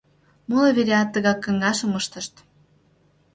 Моло вереат тыгак каҥашым ыштышт.